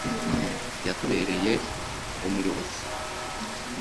yatubereye umuyobozi